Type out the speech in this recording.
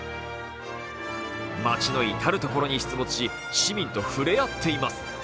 街の至る所に出没し、市民と触れ合っています。